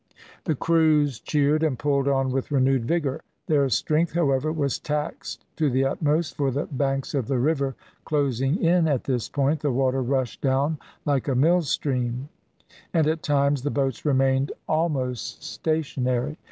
The crews cheered and pulled on with renewed vigour. Their strength, however, was taxed to the utmost, for the banks of the river closing in at this point, the water rushed down like a mill stream, and at times the boats remained almost stationary.